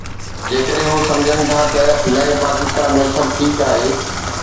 جيڪڏهن هو سمجهن ٿا ته نئين پاڪستان ۾ سڀ ٺيڪ آهي.